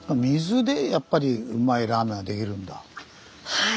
はい。